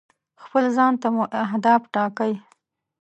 خپل ځان ته مو اهداف ټاکئ.